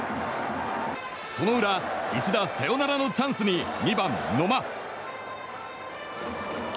その裏一打サヨナラのチャンスに２番、野間。